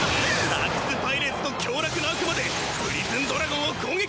アックスパイレーツと享楽の悪魔でプリズンドラゴンを攻撃！